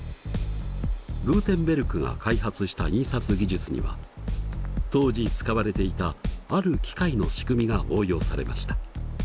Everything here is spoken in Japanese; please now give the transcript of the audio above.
グーテンベルクが開発した印刷技術には当時使われていたある機械の仕組みが応用されました。